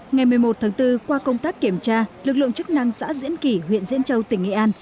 ngày một mươi một tháng bốn qua công tác kiểm tra lực lượng chức năng xã diễn kỷ huyện diễn châu tỉnh nghệ an